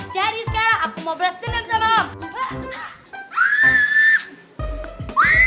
jadi sekarang aku mau bersenam sama lo